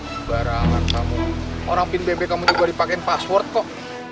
sebarangan kamu orang pin bebek kamu juga dipakai password kok